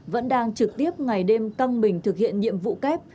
vẫn đang trực tiếp ngày đêm căng mình thực hiện nhiệm vụ kép